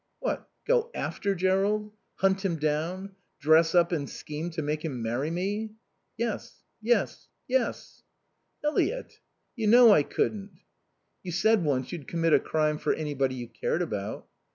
"What, go after Jerrold? Hunt him down? Dress up and scheme to make him marry me?" "Yes. Yes. Yes." "Eliot, you know I couldn't." "You said once you'd commit a crime for anybody you cared about."